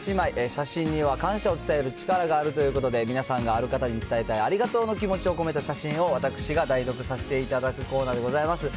写真には感謝を伝える力があるということで、皆さんがある方に伝えたいありがとうの気持ちを込めた写真を、私が代読させていただくコーナーでございます。